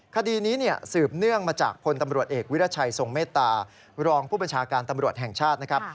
คดีนี้สืบเนื่องมาจากพลตำรวจเอกวิรัชัยทรงเมตตารองผู้บัญชาการตำรวจแห่งชาตินะครับ